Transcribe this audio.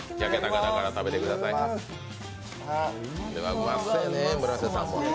うまそうやね、村瀬さんも。